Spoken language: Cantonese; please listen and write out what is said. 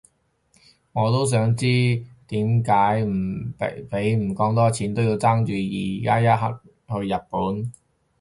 我都想知點解畀咁多錢都要爭住而家呢一刻去日本